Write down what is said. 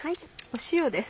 塩です。